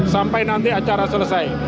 sampai nanti acara selesai